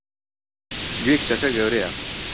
گوێی کچەکە گەورەیە!